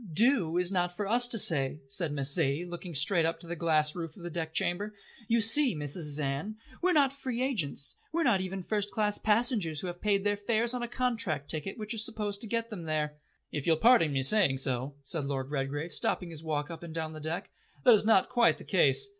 "Do is not for us to say," said Miss Zaidie, looking straight up to the glass roof of the deck chamber. "You see, Mrs. Van, we're not free agents. We are not even first class passengers who have paid their fares on a contract ticket which is supposed to get them there." "If you'll pardon me saying so," said Lord Redgrave, stopping his walk up and down the deck, "that is not quite the case.